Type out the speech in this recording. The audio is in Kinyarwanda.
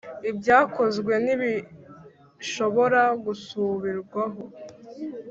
ibyakozwe ntibishobora gusubirwaho.